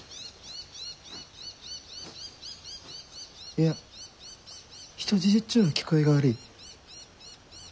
いや人質っちゅうんは聞こえが悪い。